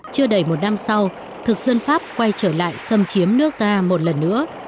chưa đầy một năm sau thực dân pháp quay trở lại xâm chiếm nước ta một lần nữa